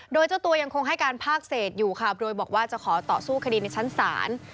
โดยเจ้าตัวยังคงให้การภาคเศษอยู่ค่ะโดยบอกว่าจะขอต่อสู้คดีในชั้นศาล